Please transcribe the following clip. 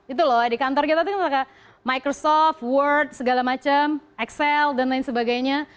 itu loh di kantor kita tuh pakai microsoft world segala macam excel dan lain sebagainya